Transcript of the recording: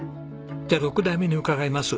じゃあ６代目に伺います。